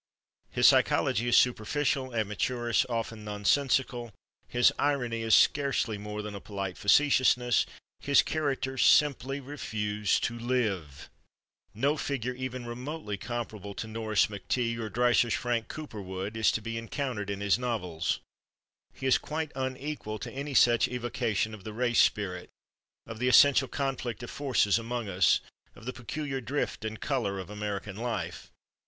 His psychology is superficial, amateurish, often nonsensical; his irony is scarcely more than a polite facetiousness; his characters simply refuse to live. No figure even remotely comparable to Norris' McTeague or Dreiser's Frank Cowperwood is to be encountered in his novels. He is quite unequal to any such evocation of the race spirit, of the essential conflict of forces among us, of the peculiar drift and color of American life.